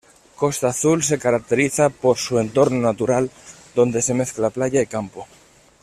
Costa Azul se caracteriza por su entorno natural, donde se mezcla playa y campo.